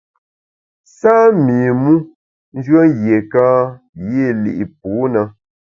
Sâ mi mu njùen yiéka yî li’ pû na.